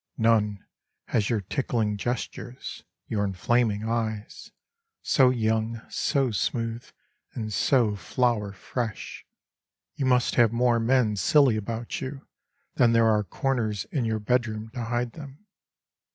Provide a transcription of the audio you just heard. None has your tickling gestures, your enf laming eyes — So young, so smooth, and so flower fresh, You must have more men silly about you Than there are corners in your bedroom to hide them.